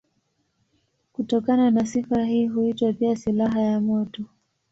Kutokana na sifa hii huitwa pia silaha ya moto.